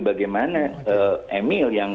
bagaimana emil yang